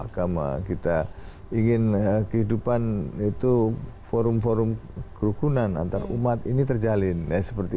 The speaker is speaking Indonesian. agama kita ingin kehidupan itu forum forum kerukunan antarumat ini terjalin ya seperti